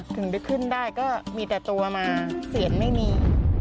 ถึงไปขึ้นได้ก็มีแต่ตัวมาเสียงไม่มี